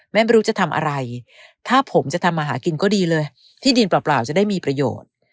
ไม่รู้จะทำอะไรถ้าผมจะทำมาหากินก็ดีเลยที่ดินเปล่าจะได้มีประโยชน์